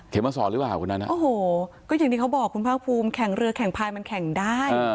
เขาอย่างที่เขาบอกคุณพ่างภูมิแข่งเรือแข่งภายมันแข่งได้